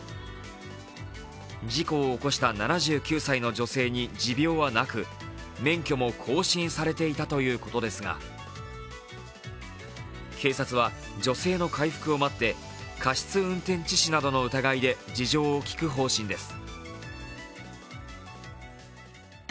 事故を起こした７９歳の女性に持病はなく、免許も更新されていたということですが警察は女性の回復を待って過失運転致死などの疑いで事情を聴く方針です。